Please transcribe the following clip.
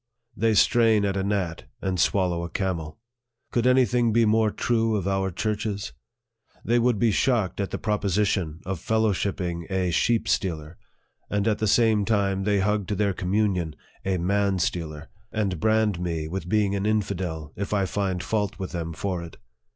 They strain at a gnat, and swallow a camel. Could any thing be more true of our churches ? They would be shocked at the propo sition of fellowshipping a sheep stealer ; and at the same time they hug to their communion a wian stealer, and brand me with being an infidel, if I find fault with them for it.